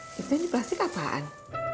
itu yang dibahas bik apaan